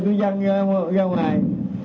tui giăng ra ngoài